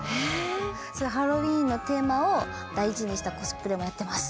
そういうハロウィーンのテーマを大事にしたコスプレもやってます。